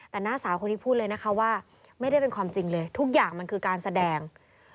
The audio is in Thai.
แต่น้าสาวคนนี้พูดเลยนะคะว่าไม่ได้เป็นความจริงเลยทุกอย่างมันคือการแสดง